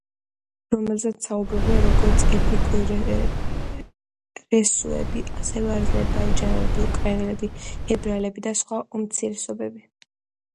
რომელზეც საუბრობენ როგორც ეთნიკური რუსები, ასევე აზერბაიჯანელები, უკრაინელები, ებრაელები და სხვა უმცირესობები.